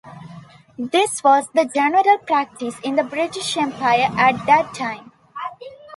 This was the general practice in the British Empire at that time.